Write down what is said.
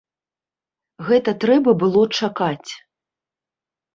Гэта трэба было чакаць.